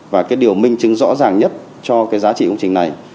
và cái điều minh chứng rõ ràng nhất cho cái giá trị công trình này